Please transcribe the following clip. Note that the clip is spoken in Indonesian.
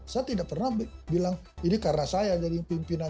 saya tidak pernah bilang ini karena saya jadi pimpinan